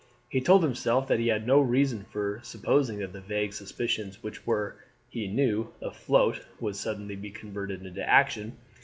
He told himself that he had no reason for supposing that the vague suspicions which were, he knew, afloat would suddenly be converted into action.